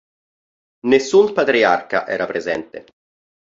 Nessun patriarca era presente.